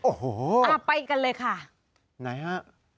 โอ้โหอ่าไปกันเลยค่ะไหนฮะ